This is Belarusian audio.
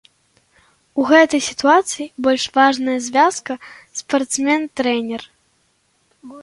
У гэтай сітуацыі больш важная звязка спартсмен-трэнер.